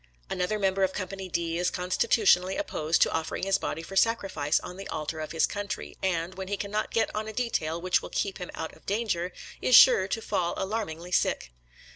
Another member of Company D is constitution ally opposed to offering his body for sacrifice on the altar of his country, and, when he cannot get on a detail which will keep him out of danger, is sure to fall alarmingly sick.